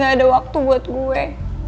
dan gak ada waktu buat gue